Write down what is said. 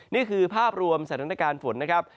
นี่คือภาพรวมสถานการณ์ฝนนะครับ